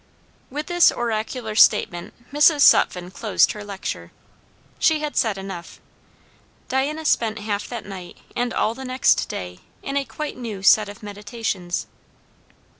With this oracular statement Mrs. Sutphen closed her lecture. She had said enough. Diana spent half that night and all the next day in a quite new set of meditations.